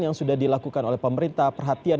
yang sudah dilakukan oleh pemerintah perhatian